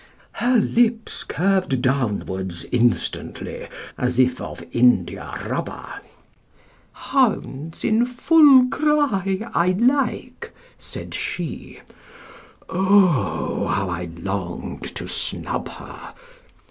Her lips curved downwards instantly, As if of india rubber. "Hounds IN FULL CRY I like," said she: (Oh how I longed to snub her!)